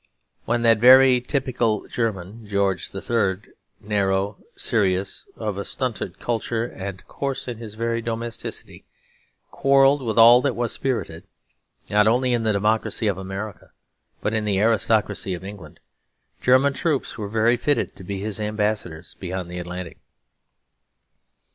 When that very typical German, George III., narrow, serious, of a stunted culture and coarse in his very domesticity, quarrelled with all that was spirited, not only in the democracy of America but in the aristocracy of England, German troops were very fitted to be his ambassadors beyond the Atlantic.